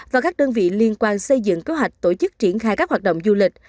và các đơn vị liên quan xây dựng kế hoạch tổ chức triển khai các hoạt động du lịch